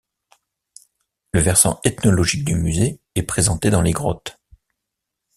Le versant ethnologique du musée est présenté dans les grottes.